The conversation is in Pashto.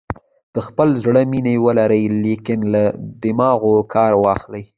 د خپل زړه مینه ولرئ لیکن له دماغو کار واخلئ.